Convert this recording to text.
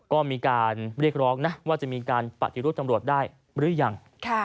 ก็มีการเรียกร้องนะว่าจะมีการปฏิรูปตำรวจได้หรือยัง